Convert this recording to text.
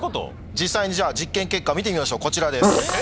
実際に実験結果見てみましょうこちらです。